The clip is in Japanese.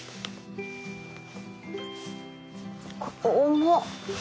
重っ。